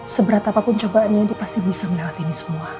seberat apapun cobaannya dia pasti bisa menawat ini semua